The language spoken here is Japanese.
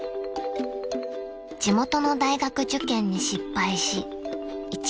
［地元の大学受験に失敗し］